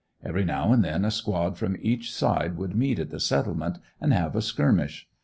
Every now and then a squad from each side would meet at the "Settlement" and have a skirmish.